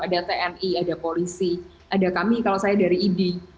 ada tni ada polisi ada kami kalau saya dari idi